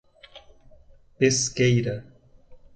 Pesqueira